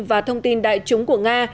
và thông tin đại chúng của nga